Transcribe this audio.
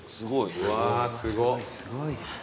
うわすごっ。